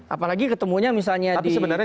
apalagi ketemunya misalnya di tempat lain